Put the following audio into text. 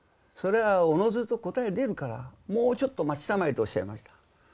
それはおのずと答え出るからもうちょっと待ちたまえとおっしゃいました。